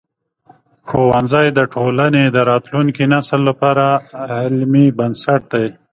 ښوونځی د ټولنې د راتلونکي نسل لپاره علمي بنسټ دی.